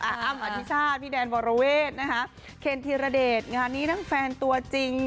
อ้ำอธิชาติพี่แดนวรเวทนะคะเคนธีรเดชงานนี้ทั้งแฟนตัวจริง